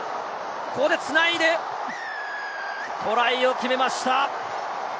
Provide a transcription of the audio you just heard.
ここで繋いでトライを決めました！